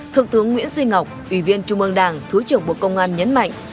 thượng tướng nguyễn duy ngọc ủy viên trung ương đảng thứ trưởng bộ công an nhấn mạnh